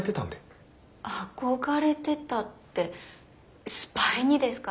憧れてたってスパイにですか？